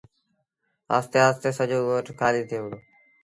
آهستي آهستي سڄو ڳوٺ کآليٚ ٿئي وُهڙو۔